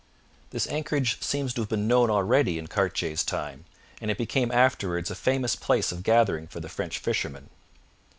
This anchorage seems to have been known already in Cartier's time, and it became afterwards a famous place of gathering for the French fishermen.